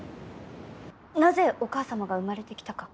なぜお母様が生まれてきたか。